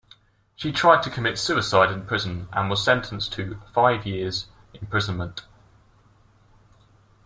She tried to commit suicide in prison, and was sentenced to five years imprisonment.